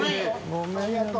ありがとう。